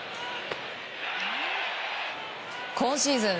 今シーズン